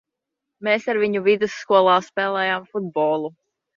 Mēs ar viņu vidusskolā spēlējām futbolu.